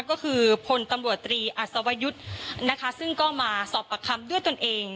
ก็คือพลตำรวจตรีอัศวยุทธ์นะคะซึ่งก็มาสอบปากคำด้วยตนเอง